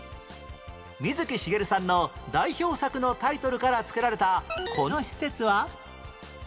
水木しげるさんの代表作のタイトルから付けられたこの施設は？